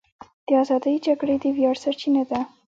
د ازادۍ جګړې د ویاړ سرچینه ده.